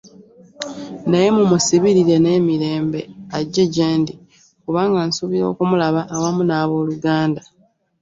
Naye mumusibirire n'emirembe, ajje gye ndi: kubanga nsuubira okumulaba awamu n'abooluuganda.